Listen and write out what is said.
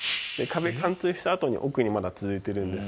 壁貫通したあとも奥にまだ続いてるんですが。